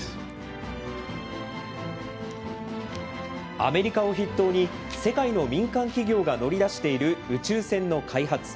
アメリカを筆頭に、世界の民間企業が乗り出している宇宙船の開発。